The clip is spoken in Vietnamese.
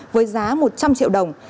với giá một trăm linh triệu đồng